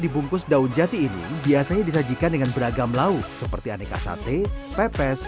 dibungkus daun jati ini biasanya disajikan dengan beragam lauk seperti aneka sate pepes